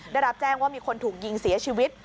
ได้รับแจ้งว่ามีคนถูกยิงเสียชีวิต